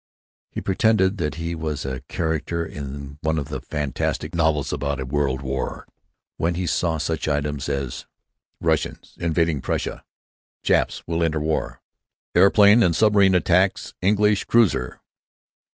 He pretended that he was a character in one of the fantastic novels about a world war when he saw such items as "Russians invading Prussia," "Japs will enter war," "Aeroplane and submarine attack English cruiser."